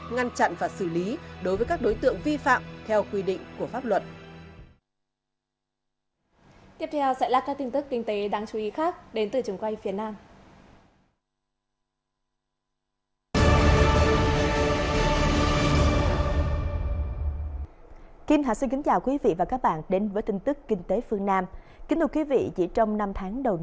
ngăn chặn và xử lý đối với các đối tượng vi phạm theo quy định của pháp luật